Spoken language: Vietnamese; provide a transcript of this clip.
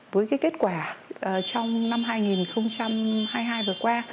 với cái kết quả trong năm hai nghìn hai mươi hai vừa qua